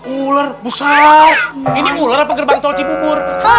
ular besar ini ular apa gerbang tolci bubur